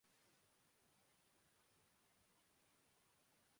مجھے اس سے کوئی فرق نہیں پڑتا۔